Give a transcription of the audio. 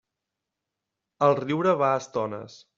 El riure va a estones.